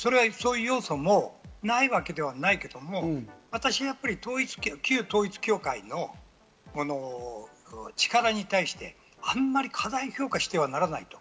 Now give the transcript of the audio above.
それはそういう要素もないわけではないけれども、私、やっぱり旧統一教会の力に対してあまり過大評価してはならないと。